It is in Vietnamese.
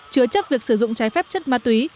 chứa chấp việc sử dụng trái phép chất ma túy